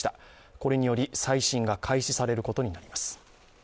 これにより再審が開始されることになります。